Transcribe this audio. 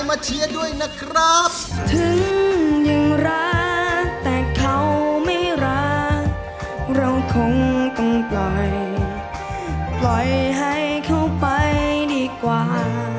ไม่รักเราคงต้องปล่อยปล่อยให้เข้าไปดีกว่า